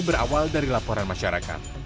berawal dari laporan masyarakat